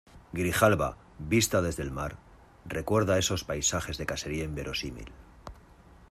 Grijalba, vista desde el mar , recuerda esos paisajes de caserío inverosímil